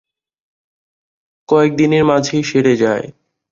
কয়েকদিনের মাঝেই সেরে যায়।